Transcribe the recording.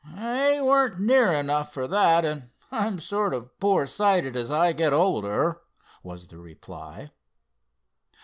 "They weren't near enough for that, and I'm sort of poor sighted as I get older," was the reply.